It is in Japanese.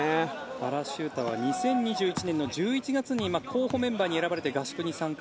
原修太は２０２１年の１１月に候補メンバーに選ばれて合宿に参加。